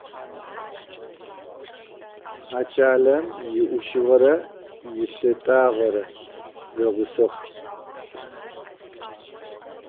А кӏалэм иӏушыгъэрэ ипытагъэрэ зэгъусэх.